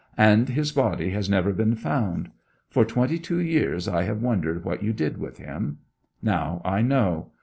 And his body has never been found. For twenty two years I have wondered what you did with him. Now I know.